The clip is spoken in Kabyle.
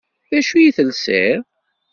D acu i telsiḍ?